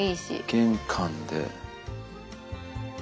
玄関で。